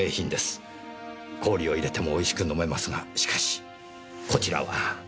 氷を入れても美味しく飲めますがしかしこちらは。